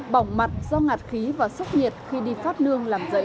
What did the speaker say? bỏng mặt do ngạt khí và sốc nhiệt khi đi phát nương làm giấy